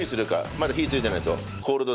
まだ火ついてないですよ。